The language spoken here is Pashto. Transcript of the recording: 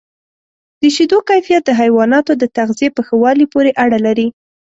د شیدو کیفیت د حیواناتو د تغذیې په ښه والي پورې اړه لري.